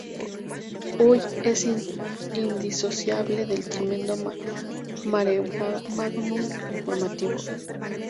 hoy es indisociable del tremendo maremágnum informativo